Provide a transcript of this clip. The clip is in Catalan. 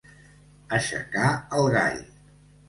Aixecar el gall.